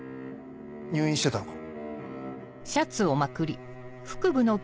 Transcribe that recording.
入院してたのか？